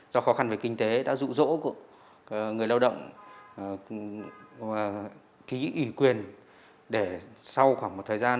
do khó khăn về kinh tế đã rụ rỗ người lao động ký ủy quyền để sau khoảng một thời gian